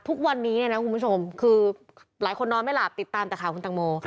ทุกวันนี้เนี่ยนะคุณผู้ชมคือหลายคนนอนไม่หลับติดตามแต่ข่าวคุณตังโม